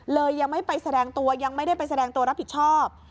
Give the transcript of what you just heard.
ยังไม่ไปแสดงตัวยังไม่ได้ไปแสดงตัวรับผิดชอบ